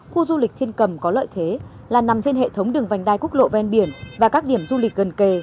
khu du lịch thiên cầm có lợi thế là nằm trên hệ thống đường vành đai quốc lộ ven biển và các điểm du lịch gần kề